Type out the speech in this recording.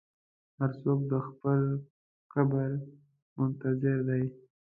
هر څوک د خپل قبر منتظر دی.